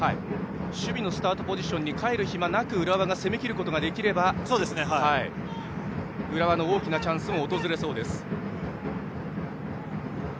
守備のスタートポジションに帰る暇なく浦和が攻めきることができれば浦和の大きなチャンスも訪れそうです。